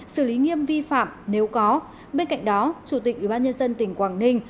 xử lý nghiêm vi phạm nếu có bên cạnh đó chủ tịch ubnd tỉnh quảng ninh